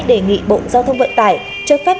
đề nghị bộ giao thông vận tải cho phép